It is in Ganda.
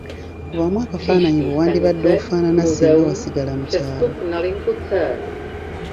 Kubamu akafaananyi bwe wandibadde ofaanana singa wasigala mu kyalo.